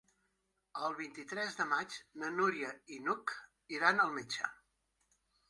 El vint-i-tres de maig na Núria i n'Hug iran al metge.